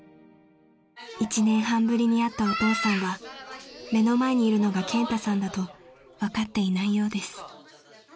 ［１年半ぶりに会ったお父さんは目の前にいるのが健太さんだと分かっていないようです］